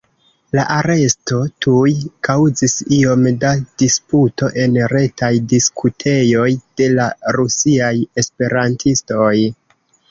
La aresto tuj kaŭzis iom da disputo en retaj diskutejoj de la rusiaj esperantistoj.